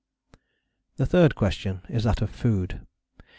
The third question is that of food.